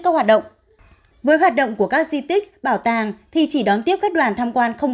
các hoạt động với hoạt động của các di tích bảo tàng thì chỉ đón tiếp các đoàn tham quan không